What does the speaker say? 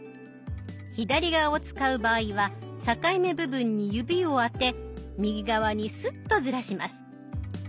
左側を使う場合は境目部分に指をあて右側にスッとずらします。